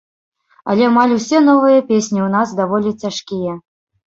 Але амаль усе новыя песні ў нас даволі цяжкія.